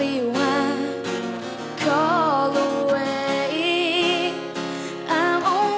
ที่พอจับกีต้าร์ปุ๊บ